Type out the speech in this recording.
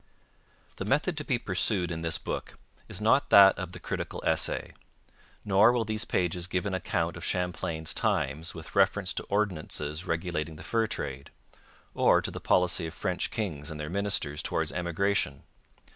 The method to be pursued in this book is not that of the critical essay. Nor will these pages give an account of Champlain's times with reference to ordinances regulating the fur trade, or to the policy of French kings and their ministers towards emigration.